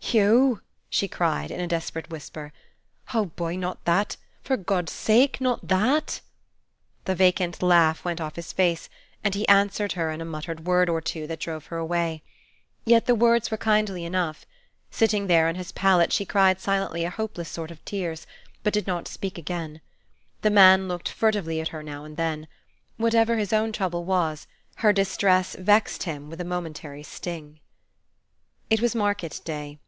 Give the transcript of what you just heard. "Hugh!" she cried, in a desperate whisper, "oh, boy, not that! for God's sake, not that!" The vacant laugh went off his face, and he answered her in a muttered word or two that drove her away. Yet the words were kindly enough. Sitting there on his pallet, she cried silently a hopeless sort of tears, but did not speak again. The man looked up furtively at her now and then. Whatever his own trouble was, her distress vexed him with a momentary sting. It was market day.